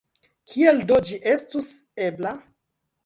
Kiel do ĝi estus ebla?